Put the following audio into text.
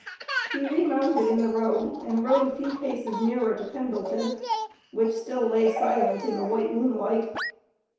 He remounted in the road and rode a few paces nearer to Pendleton, which still lay silent in the white moonlight.